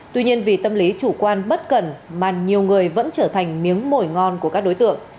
tuy nhiên vì tâm lý chủ quan bất cẩn mà nhiều người vẫn trở thành miếng mồi ngon của các đối tượng